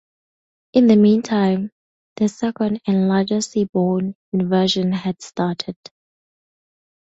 In the meantime, the second and larger sea-borne invasion had started.